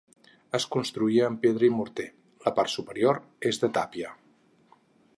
És construïda amb pedra i morter, la part superior és de tàpia.